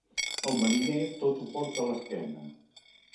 El mariner, tot ho porta a l'esquena.